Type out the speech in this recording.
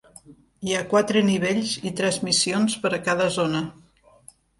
Hi ha quatre nivells i tres missions per a cada zona.